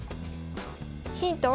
ヒントは。